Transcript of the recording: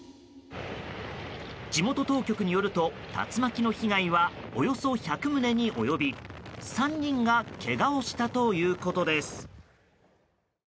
地元当局によると竜巻の被害はおよそ１００棟に及び３人がけがをしたということです。